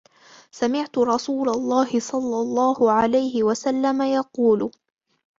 سَمِعْتُ رسُولَ اللهِ صَلَّى اللهُ عَلَيْهِ وَسَلَّمَ يَقُولُ: